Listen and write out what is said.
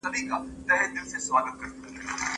ده خپل لاسونه د ناڅرګندې رڼا په لور ونیول.